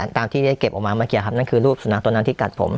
ตามที่ได้เก็บออกมาเมื่อกี้ครับนั่นคือรูปสุนัขตัวนั้นที่กัดผม